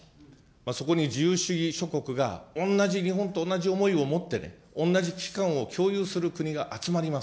そこに自由主義諸国がおんなじ日本とおんなじ思いを持ってね、おんなじ危機感を共有する国が集まります。